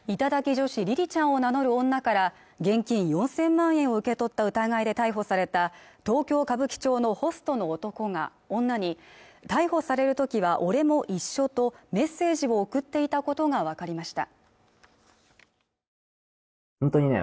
女子りりちゃんを名乗る女から現金４０００万円を受け取った疑いで逮捕された東京・歌舞伎町のホストの男が女に逮捕される時は俺も一緒とメッセージを送っていたことが分かりました